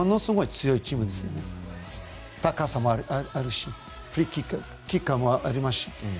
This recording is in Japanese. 高さもあるし、フリーキックのキッカーもいますし。